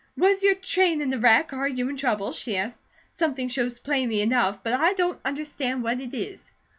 "Was your train in a wreck? Are you in trouble?" she asked. "Something shows plainly enough, but I don't understand what it is."